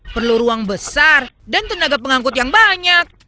perlu ruang besar dan tenaga pengangkut yang banyak